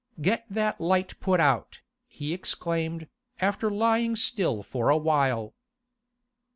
'Get that light put out,' he exclaimed, after lying still for a while.